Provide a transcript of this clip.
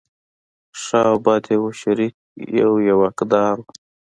ښه او بد یې وو شریک یو یې واکدار و.